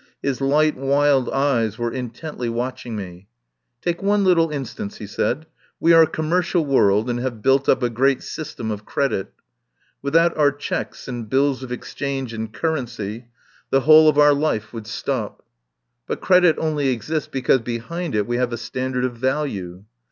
His light wild eyes were intently watching me. "Take one little instance," he said. "We are a commercial world, and have built up a great system of credit. Without our cheques and bills of exchange and currency the whole 67 THE POWER HOUSE of our life would stop. But credit only exists because behind it we have a standard of value.